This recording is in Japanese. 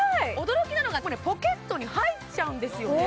驚きなのがポケットに入っちゃうんですよね